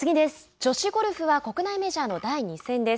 女子ゴルフは国内メジャーの第２戦です。